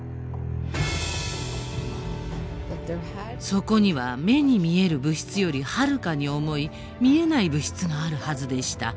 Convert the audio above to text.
そこには目に見える物質よりはるかに重い見えない物質があるはずでした。